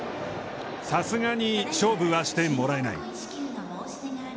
さすがに勝負はしてもらえない。